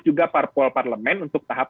juga parpol parlemen untuk tahap